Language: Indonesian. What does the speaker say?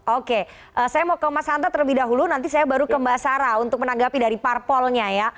oke saya mau ke mas hanta terlebih dahulu nanti saya baru ke mbak sarah untuk menanggapi dari parpolnya ya